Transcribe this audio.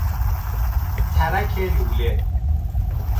ترک لوله